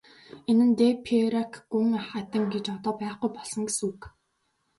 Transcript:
Энэ нь де Пейрак гүн ахайтан гэж одоо байхгүй болсон гэсэн үг.